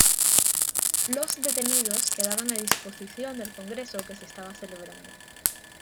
Los detenidos quedaban a disposición del congreso que se estaba celebrando.